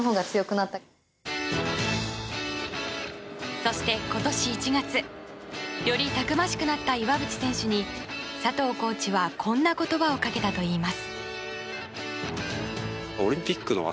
そして、今年１月よりたくましくなった岩渕選手に佐藤コーチはこんな言葉をかけたといいます。